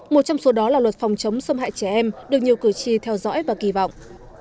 một trong số đó là luật phòng chống xâm hại trẻ em được nhiều cử tri theo dõi và kỳ vọng